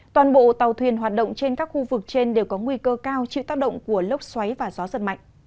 toàn bộ tàu thuyền hoạt động trên các khu vực trên đều có nguy cơ cao chịu tác động của lốc xoáy và gió giật mạnh